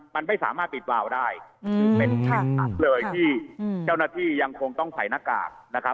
มันไม่สามารถปิดวาวได้เป็นอันตรายที่เจ้าหน้าที่ยังคงต้องใส่หน้ากาก